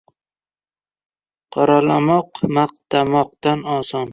• Qoralamoq maqtamoqdan oson.